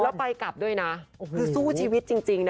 แล้วไปกลับด้วยนะคือสู้ชีวิตจริงนะ